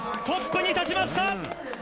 トップに立ちました！